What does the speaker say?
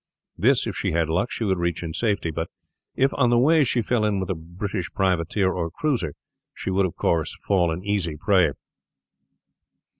This, if she had luck, she would reach in safety, but if on the way she fell in with a British privateer or cruiser she would of course fall an easy prey.